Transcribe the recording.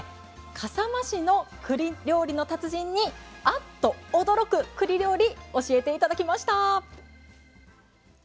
笠間市のくり料理の達人にあっと驚くくり料理教えて頂きました。